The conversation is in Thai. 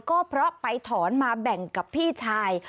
ก็เพราะไปถอนมาแบ่งกับพี่ชาย